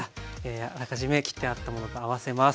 あらかじめ切ってあったものと合わせます。